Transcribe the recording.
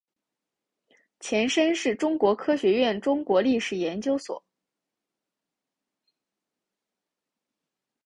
前身是中国科学院中国历史研究所。